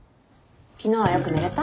昨日はよく寝れた？